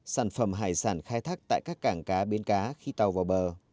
sản phẩm hải sản khai thác tại các cảng cá bến cá khi tàu vào bờ